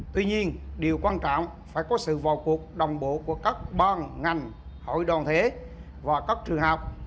tuy nhiên điều quan trọng phải có sự vào cuộc đồng bộ của các ban ngành hội đoàn thể và các trường học